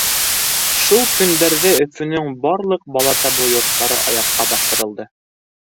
Шул көндәрҙә Өфөнөң барлыҡ бала табыу йорттары аяҡҡа баҫтырылды.